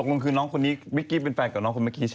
คือเมื่อก่อนเป็นแฟนกับน้องคนนี้